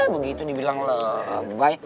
begitu dibilang lebay